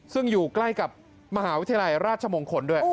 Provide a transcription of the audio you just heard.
ซึ่งอยู่ใกล้กับมหาวิทยาลัยราชมงคลด้วย